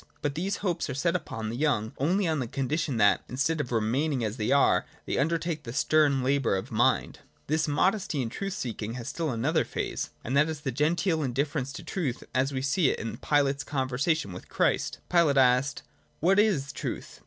But these hopes are set upon the young, only on the condition that, instead of re maining as they are, they undertake the stern labour of mind. This modesty in truth seeking has still another phase: and that is the genteel indifference to truth, as we see it in Pilate's conversation with Christ. Pilate asked ' What is truth